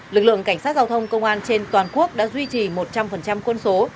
lực lượng cảnh sát giao thông công an trên toàn quốc đã duy trì một trăm linh quân số